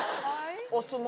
お相撲？